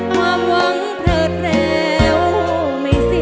ความหวังเผิดแล้วไม่สิ้น